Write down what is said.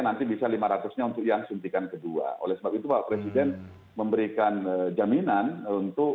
nanti bisa lima ratus nya untuk yang suntikan kedua oleh sebab itu pak presiden memberikan jaminan untuk